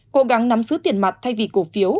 cố gắng nắm giữ tiền mặt thay vì cổ phiếu